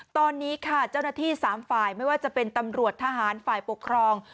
ตอนนี้ค่ะเจ้าหน้าที่๓ฝ่ายไม่ว่าจะเป็นตำรวจทหารฝ่ายปกครอง